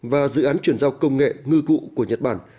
và dự án chuyển giao công nghệ ngư cụ của nhật bản